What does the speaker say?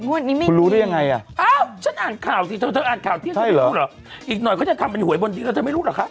คุณรู้ได้ยังไงอ่ะอ้าวฉันอ่านข่าวสิเธอเธออ่านข่าวที่ฉันไม่รู้เหรออีกหน่อยเขาจะทำเป็นหวยบนที่แล้วเธอไม่รู้เหรอคะ